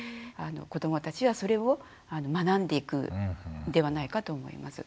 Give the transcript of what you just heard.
子どもたちはそれを学んでいくんではないかと思います。